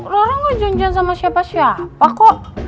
rara gak janjian sama siapa siapa kok